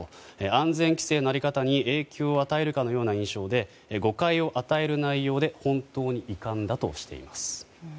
安全規制の在り方に影響を与えるかのような印象で誤解を与える内容で本当に遺憾だとしています。